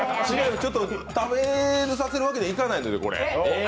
食べさせるわけにはいかないんです。